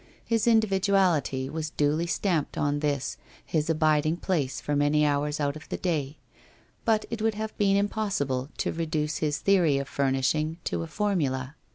His individuality was duly stamped on this, his abiding place for many hours out of the day; but it would have been impossible to reduce his theory of furnishing to a formula.